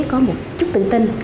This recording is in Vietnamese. có một chút tự tin